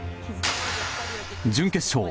準決勝。